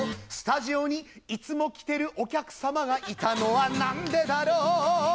「スタジオにいつも来てるお客様がいたのはなんでだろう」